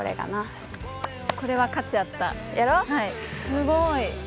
すごい！